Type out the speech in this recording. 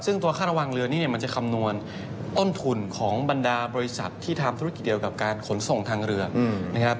ซึ่งตัวค่าระวังเรือนี้เนี่ยมันจะคำนวณต้นทุนของบรรดาบริษัทที่ทำธุรกิจเดียวกับการขนส่งทางเรือนะครับ